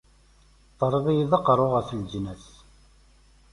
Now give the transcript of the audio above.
Terriḍ-iyi d aqerru ɣef leǧnas.